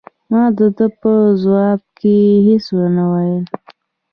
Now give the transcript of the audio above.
ما د ده په ځواب کې هیڅ ونه ویل.